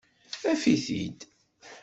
Af-it-id.